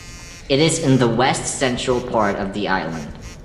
It is in the west central part of the island.